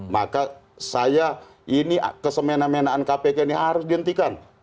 maka saya kesemena mena an kpk ini harus dihentikan